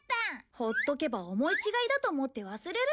ほっとけば思い違いだと思って忘れるよ。